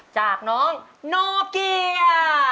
จากน้องโนเกีย